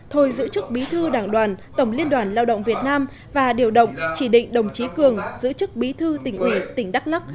thôi giữ chức bí thư đảng đoàn tổng liên đoàn lao động việt nam và điều động chỉ định đồng chí cường giữ chức bí thư tỉnh ủy tỉnh đắk lắc